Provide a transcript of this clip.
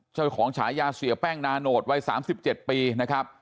เจ้าของฉายาเสียแป้งนาโนดวัยสามสิบเจ็ดปีนะครับ